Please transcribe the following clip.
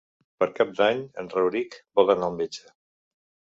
Per Cap d'Any en Rauric vol anar al metge.